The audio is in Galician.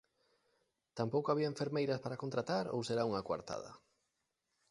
¿Tampouco había enfermeiras para contratar ou será unha coartada?